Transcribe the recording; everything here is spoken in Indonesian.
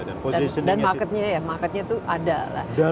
dan marketnya ya marketnya itu ada lah